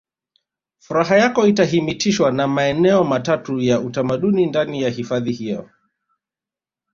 Furaha yako itahitimishwa na maeneo matatu ya utamaduni ndani ya hifadhi hiyo